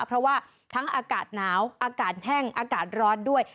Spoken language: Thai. เพราะว่าทั้งอากาศหนาวอากาศแห้งอากาศร้อนด้วย